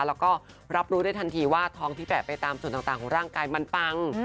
แล้วก็รับรู้ได้ทันทีว่าท้องที่แปะไปตามส่วนต่างของร่างกายมันปัง